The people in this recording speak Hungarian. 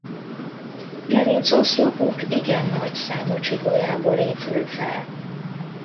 Gerincoszlopuk igen nagy számú csigolyából épül fel.